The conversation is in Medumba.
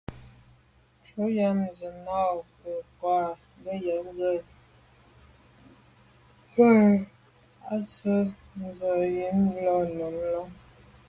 Tshù ju z’a na’ ngù kà ngùnyàm nke ndo’ ntshu i ntswe’ tsha’ yi là num lon.